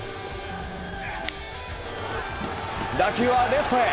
打球はレフトへ。